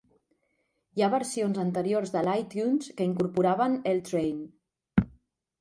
Hi ha versions anteriors de l'iTunes que incorporaven "L Train".